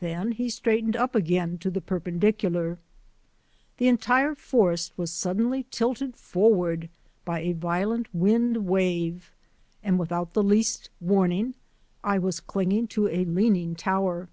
Then he straightened up again to the per pendicular. The entire forest was suddenly tilted forward by a violent wind wave and without the least warning I was clinging to a leaning tower.